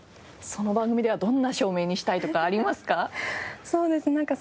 その番組ではどんな照明にしたいとかありますか？